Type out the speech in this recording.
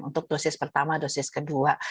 untuk dosis pertama dosis kedua